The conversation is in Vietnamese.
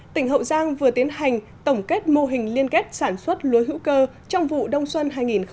tỉnh hậu giang vừa tiến hành tổng kết mô hình liên kết sản xuất lúa hữu cơ trong vụ đông xuân hai nghìn một mươi chín hai nghìn hai mươi